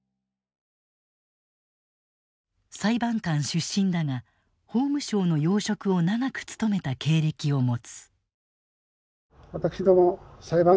裁判官出身だが法務省の要職を長く務めた経歴を持つ。